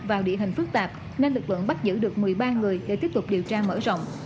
vào địa hình phức tạp nên lực lượng bắt giữ được một mươi ba người để tiếp tục điều tra mở rộng